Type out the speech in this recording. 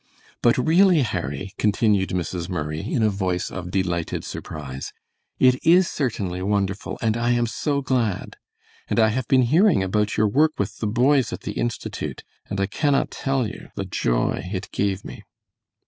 "But really, Harry," continued Mrs. Murray, in a voice of delighted surprise, "it is certainly wonderful; and I am so glad! And I have been hearing about your work with the boys at the Institute, and I cannot tell you the joy it gave me."